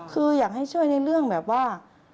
คืออยากให้ช่วยในเรื่องแบบว่า